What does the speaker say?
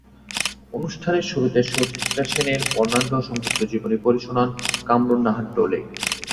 অনুষ্ঠানের শুরুতে সুচিত্রা সেনের বর্ণাঢ্য সংক্ষিপ্ত জীবনী পড়ে শোনান কামরুন্নাহার ডলি।